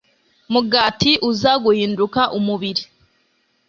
mugati, uza guhinduka umubiri